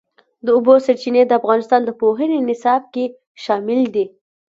د اوبو سرچینې د افغانستان د پوهنې نصاب کې شامل دي.